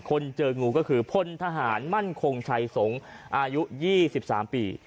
คนเจองูก็คือพลทหารมั่นคงชัยสงฆ์อายุ๒๓ปี